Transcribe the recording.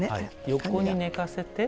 横に寝かせて。